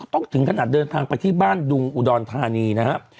ถึงขนาดเดินทางไปที่บ้านดุงอุดรธานีนะครับ